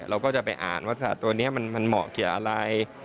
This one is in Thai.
เราก็จะไปอ่านว่าสัตว์ตัวนี้มันเหมาะเกี่ยวอะไร